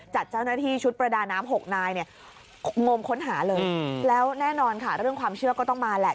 จัดเจ้าหน้าที่ชุดประดาน้ำ๖นายเนี่ยงมค้นหาเลยแล้วแน่นอนค่ะเรื่องความเชื่อก็ต้องมาแหละ